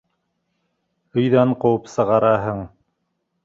Өйҙән ҡыуып сығараһың!